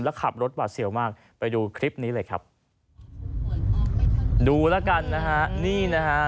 แล้วขับรถหวาดเสียวมากไปดูคลิปนี้เลยครับดูแล้วกันนะฮะนี่นะฮะ